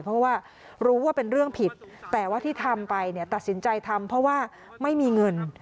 เพราะว่ารู้ว่าเป็นเรื่องผิดแต่ว่าที่ทำไปเนี่ยตัดสินใจทำเพราะว่าไม่มีเงิน